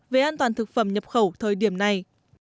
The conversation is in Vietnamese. về an toàn thực phẩm nhập khẩu thời điểm này